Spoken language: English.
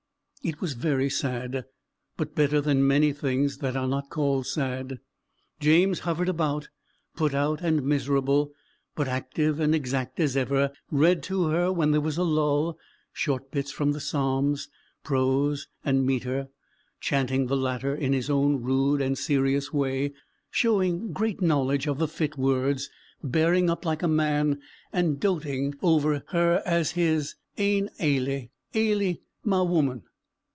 It was very sad, but better than many things that are not called sad. James hovered about, put out and miserable, but active and exact as ever; read to her when there was a lull, short bits from the Psalms, prose and metre, chanting the latter in his own rude and serious way, showing great knowledge of the fit words, bearing up like a man, and doating over her as his "ain Ailie." "Ailie, ma woman!"